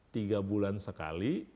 tiga bulan sekali